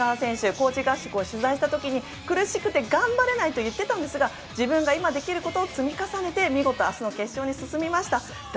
高地合宿を取材した時に苦しくて頑張れないと言っていたんですが自分がやってきたことを積み重ねて明日の決勝に行きました。